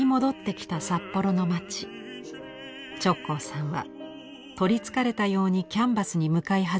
直行さんは取りつかれたようにキャンバスに向かい始めます。